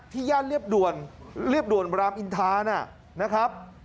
ย่านเรียบด่วนเรียบด่วนรามอินทานะครับ